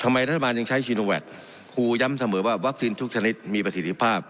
รัฐบาลยังใช้ซีโนแวคครูย้ำเสมอว่าวัคซีนทุกชนิดมีประสิทธิภาพ